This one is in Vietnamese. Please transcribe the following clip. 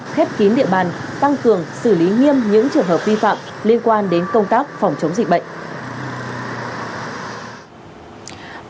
khép kín địa bàn tăng cường xử lý nghiêm những trường hợp vi phạm liên quan đến công tác phòng chống dịch bệnh